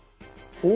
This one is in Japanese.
お！